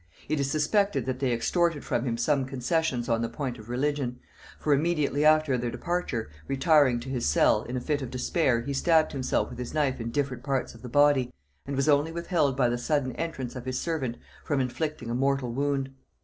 It is suspected that they extorted from him some concessions on the point of religion; for immediately after their departure, retiring to his cell, in a fit of despair he stabbed himself with his knife in different parts of the body, and was only withheld by the sudden entrance of his servant from inflicting a mortal wound.